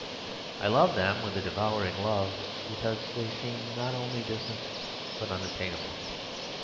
I loved them with a devouring love, because they seemed not only distant but unattainable.